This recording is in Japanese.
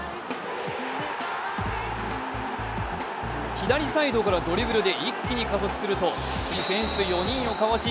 左サイドからドリブルで一気に加速するとディフェンス４人をかわし